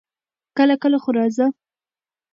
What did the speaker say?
کله کله خو راځه!